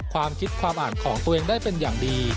ความคิดความอ่านของตัวเองได้เป็นอย่างดี